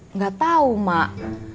nggak tahu mak